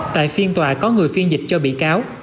tại phiên tòa có người phiên dịch cho bị cáo